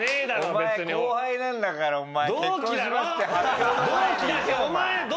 半年後輩なんだからお前。